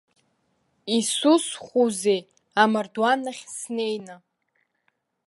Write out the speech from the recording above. Исусхәузеи амардуан ахь снеины.